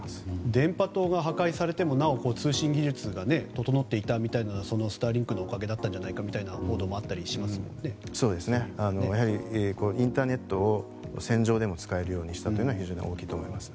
電波塔が破壊されてもなお通信技術が整っていたみたいなのはスターリンクのおかげだったんじゃないかというインターネットを戦場でも使えるようにしたというのは非常に大きいと思います。